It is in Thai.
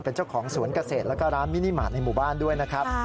เป็นเจ้าของสวนเกษตรแล้วก็ร้านมินิมาตรในหมู่บ้านด้วยนะครับ